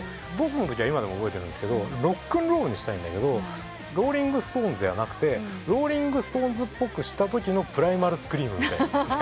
『ＢＯＳＳ』のときは今でも覚えてるんですけどロックンロールにしたいんだけどローリング・ストーンズではなくてローリング・ストーンズっぽくしたときのプライマル・スクリームみたいな。